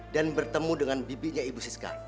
dan bertemu dengan bibinya ibu siska